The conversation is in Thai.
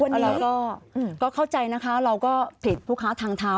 แล้วเราก็เข้าใจนะคะเราก็ผิดผู้ค้าทางเท้า